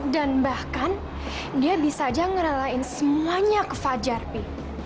dan bahkan dia bisa aja ngerelain semuanya ke fajar pi